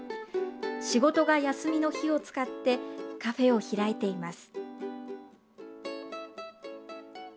仕事が休みの日を使ってカフェを開いています。